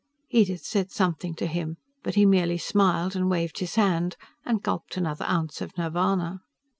Edith said something to him, but he merely smiled and waved his hand and gulped another ounce of nirvana.